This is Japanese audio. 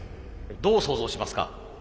どう想像しますか？